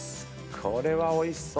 これはおいしそう。